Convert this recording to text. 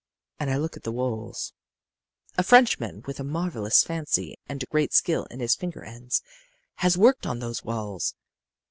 And I look at the walls. A Frenchman with a marvelous fancy and great skill in his finger ends has worked on those walls.